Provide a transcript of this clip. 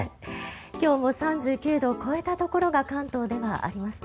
今日も３５度を超えたところが関東ではありました。